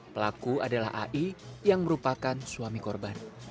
pelaku adalah ai yang merupakan suami korban